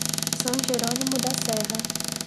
São Jerônimo da Serra